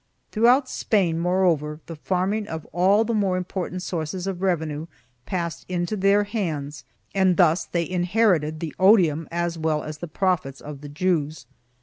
Throughout Spain, moreover, the farming of all the more important sources of revenue passed into their hands and thus they inherited the odium as well as the profits of the Jews.